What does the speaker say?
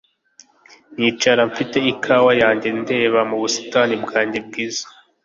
nicara mfite ikawa yanjye ndeba mu busitani bwanjye bwiza